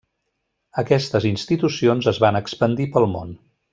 Aquestes institucions es van expandir pel Món.